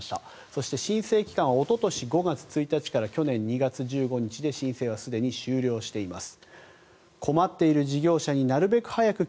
そして、申請期間はおととし５月１日から去年２月１５日で申請はすでに終了しています。